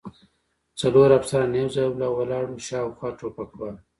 څلور افسران یو ځای ولاړ و، شاوخوا ټوپکوال.